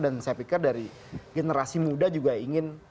dan saya pikir dari generasi muda juga ingin